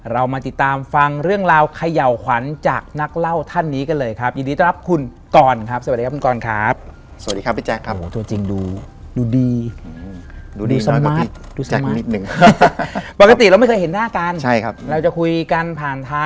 เรามาติดตามฟังเรื่องราวเขย่าขวัญจากนักเล่าท่านนี้กันเลยครับ